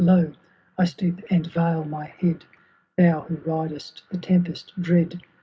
Lo ! I stoop and veil my head ; Thou who ridest the tempest dread.